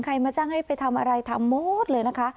มาจ้างให้ไปทำอะไรทำหมดเลยนะคะ